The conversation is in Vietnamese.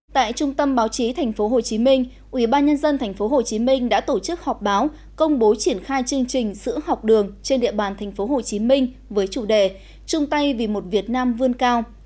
tại trung tâm báo chí tp hcm ubnd tp hcm đã tổ chức họp báo công bố triển khai chương trình sữa học đường trên địa bàn tp hcm với chủ đề trung tây vì một việt nam vươn cao